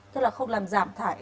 tức là không làm giảm thải